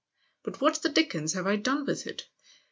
" But what the dickens have I done with it